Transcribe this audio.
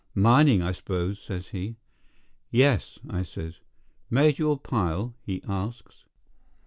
"Mining, I suppose?" says he. "Yes," I says. "Made your pile?" he asks.